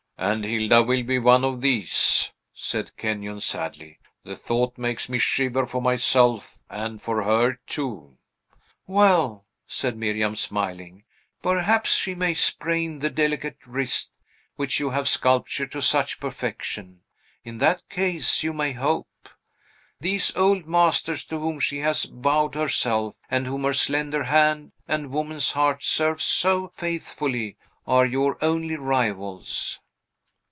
"And Hilda will be one of these!" said Kenyon sadly; "the thought makes me shiver for myself, and and for her, too." "Well," said Miriam, smiling, "perhaps she may sprain the delicate wrist which you have sculptured to such perfection. In that case you may hope. These old masters to whom she has vowed herself, and whom her slender hand and woman's heart serve so faithfully, are your only rivals."